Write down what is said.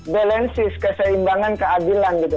balances keseimbangan keadilan